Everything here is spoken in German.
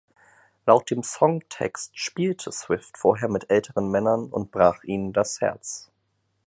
Laut dem Songtext „spielte“ Swift vorher mit älteren Männern und brach ihnen das Herz.